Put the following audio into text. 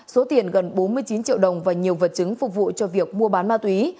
số tiền gần bốn mươi chín triệu đồng và nhiều vật chứng phục vụ cho việc mua bán ma túy